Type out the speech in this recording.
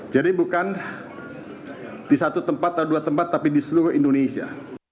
jadi bukan di satu tempat atau dua tempat tapi di seluruh indonesia